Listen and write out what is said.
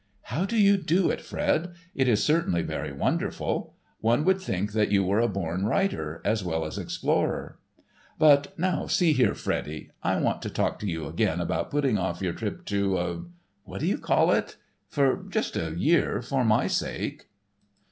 How do you do it, Fred? It is certainly very wonderful. One would think that you were a born writer as well as explorer. But now see here, Freddy; I want to talk to you again about putting off your trip to—what do you call it—for just a year, for my sake."